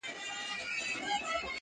خدايه زما پر ځای ودې وطن ته بل پيدا که.